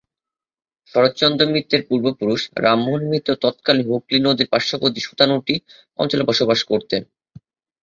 শরৎচন্দ্র মিত্রের পূর্বপুরুষ রামমোহন মিত্র তৎকালীন হুগলি নদীর পাশ্ববর্তী সুতানুটি অঞ্চলে বসবাস করতেন।